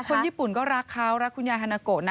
คนญี่ปุ่นก็รักเขารักคุณยายฮานาโกะนะ